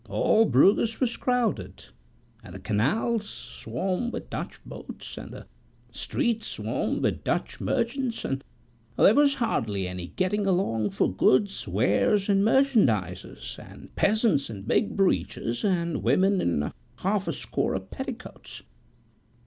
All Bruges was crowded; and the canals swarmed with Dutch boats, and the streets swarmed with Dutch merchants; and there was hardly any getting along for goods, wares, and merchandises, and peasants in big breeches, and women in half a score of petticoats.